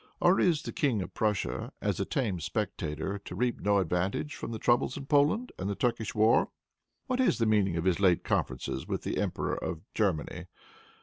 Or is the King of Prussia, as a tame spectator, to reap no advantage from the troubles in Poland and the Turkish war? What is the meaning of his late conferences with the Emperor of Germany?